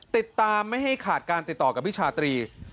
ติดตามไม่ให้ขาดการติดต่อกับวิชาตรี